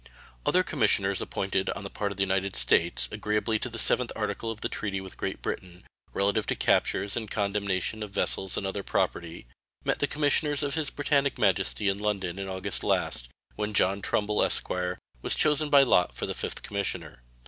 Other commissioners appointed on the part of the United States, agreeably to the 7th article of the treaty with Great Britain, relative to captures and condemnation of vessels and other property, met the commissioners of His Britannic Majesty in London in August last, when John Trumbull, esq., was chosen by lot for the 5th commissioner.